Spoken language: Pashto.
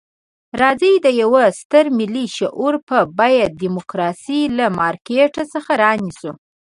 راځئ د یوه ستر ملي شعور په بیه ډیموکراسي له مارکېټ څخه رانیسو.